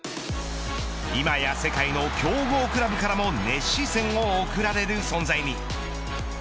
今や、世界の強豪クラブからも熱視線を送られる存在に。